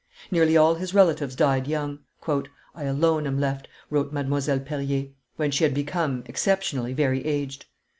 Nearly all his relatives died young. "I alone am left," wrote Mdlle. Perier, when she had become, exceptionally, very aged.